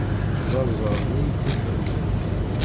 D aẓar-nni i tt-iḥemmlen.